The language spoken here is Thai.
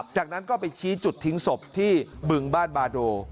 จากนั้นก็ไปชี้จุดทิ้งศพที่บึงบ้านบาโด